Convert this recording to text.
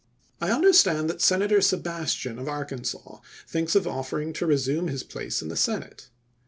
I understand that Senator Sebastian of Arkansas thinks of offering to resume his place in the Senate.